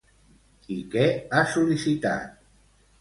I què ha sol·licitat?